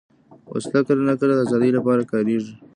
وسله کله ناکله د ازادۍ لپاره کارېږي